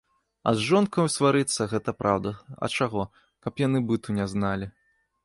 А з жонкаю сварыцца, гэта праўда, а чаго, каб яны быту не зналі.